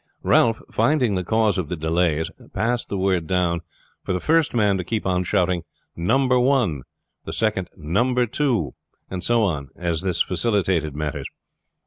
Ralph, finding the cause of the delays, passed the word down for the first man to keep on shouting "number one," the second "number two," and so on, and this facilitated matters.